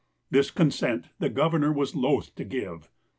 This consent the governor was loath to give.